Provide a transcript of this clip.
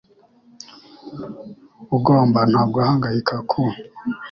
Ugomba nta guhangayika ku